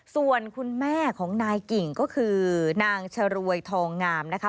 ส่วนคุณแม่ของนายกิ่งก็คือนางชรวยทองงามนะคะ